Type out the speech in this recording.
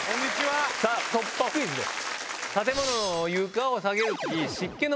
さぁ突破クイズです。